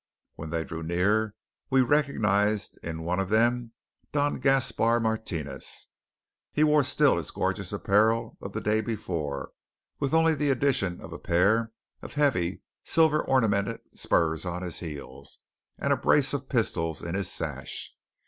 When they drew near we recognized in one of them Don Gaspar Martinez. He wore still his gorgeous apparel of the day before, with only the addition of a pair of heavy silver ornamented spurs on his heels, and a brace of pistols in his sash.